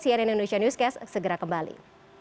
cnn indonesia newscast segera kembali